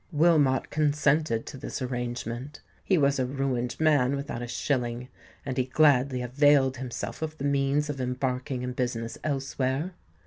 Wilmot consented to this arrangement: he was a ruined man without a shilling; and he gladly availed himself of the means of embarking in business elsewhere.